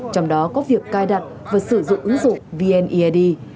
trong đó có việc cài đặt và sử dụng ứng dụng vneid